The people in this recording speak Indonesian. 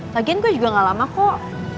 lagian gue juga gak lama kok